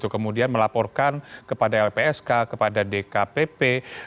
kemudian melaporkan kepada lpsk kepada dkpp